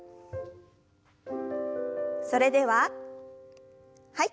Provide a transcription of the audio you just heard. それでははい。